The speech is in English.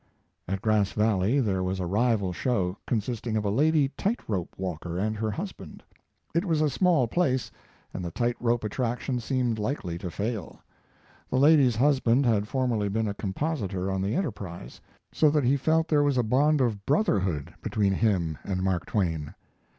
At Grass Valley there was a rival show, consisting of a lady tight rope walker and her husband. It was a small place, and the tight rope attraction seemed likely to fail. The lady's husband had formerly been a compositor on the Enterprise, so that he felt there was a bond of brotherhood between him and Mark Twain.